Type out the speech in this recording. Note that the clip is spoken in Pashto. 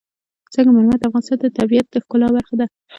سنگ مرمر د افغانستان د طبیعت د ښکلا برخه ده.